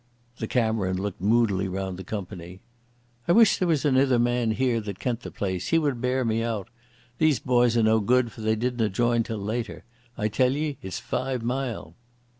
The Cameron looked moodily round the company. "I wish there was anither man here that kent the place. He wad bear me out. These boys are no good, for they didna join till later. I tell ye it's five mile."